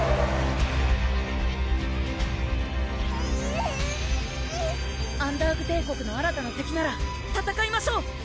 えるアンダーグ帝国の新たな敵なら戦いましょう！